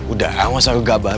udah gak usah gabah